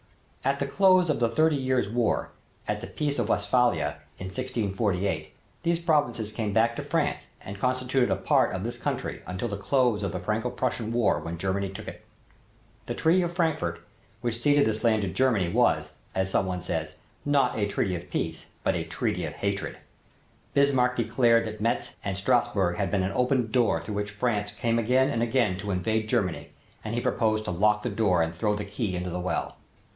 At the close of the Thirty Years War, at the Peace of Westphalia in 1648, these provinces came back to France and constituted a part of this country until the close of the Franco Prussian War when Germany took it. The Treaty of Frankfort, which ceded this land to Germany was, as some one says, "not a treaty of peace but a treaty of hatred." Bismarck declared that Metz and Strassburg had been an open door through which France came again and again to invade Germany and he proposed to lock the door and throw the key into the well.